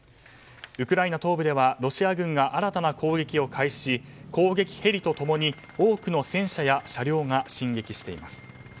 ウクライナ東部ではロシア軍が新たな攻撃を開始し攻撃ヘリと共に多くの戦車や車両が進撃しています。